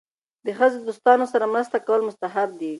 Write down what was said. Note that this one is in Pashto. د ښځې دوستانو سره مرسته کول مستحب دي.